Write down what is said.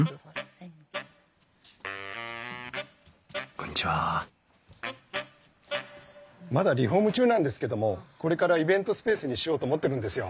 こんにちはまだリフォーム中なんですけどもこれからイベントスペースにしようと思ってるんですよ。